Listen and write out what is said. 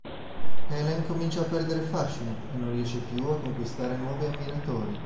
Helen comincia a perdere fascino e non riesce più a conquistare nuovi ammiratori.